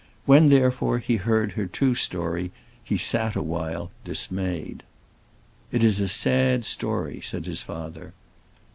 When, therefore, he heard her true history he sat awhile dismayed. "It is a sad story," said the father.